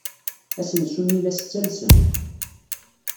Asensu-nni la as-ttalsen.